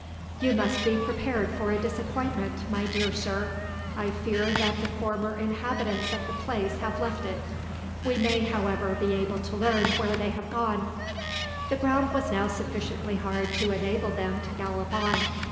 "You must be prepared for a disappointment, my dear sir. I fear that the former inhabitants of the place have left it. We may, however, be able to learn where they have gone." The ground was now sufficiently hard to enable them to gallop on.